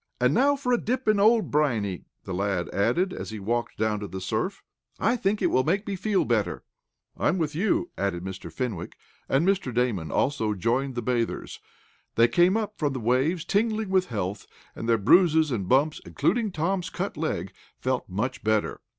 "Now for a dip in old Briney," the lad added, as he walked down to the surf, "I think it will make me feel better." "I'm with you," added Mr. Fenwick, and Mr. Damon also joined the bathers. They came up from the waves, tingling with health, and their bruises and bumps, including Tom's cut leg, felt much better.